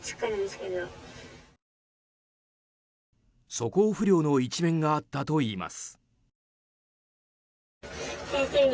素行不良の一面があったといいます。